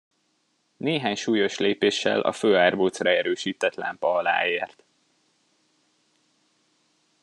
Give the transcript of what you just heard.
Néhány súlyos lépéssel a főárbocra erősített lámpa alá ért.